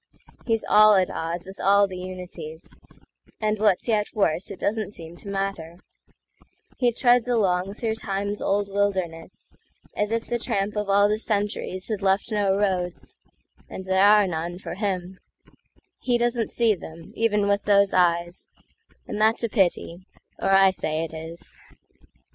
He's all at odds with all the unities, And what's yet worse, it doesn't seem to matter; He treads along through Time's old wildernessAs if the tramp of all the centuriesHad left no roads—and there are none, for him; He doesn't see them, even with those eyes,—And that's a pity, or I say it is.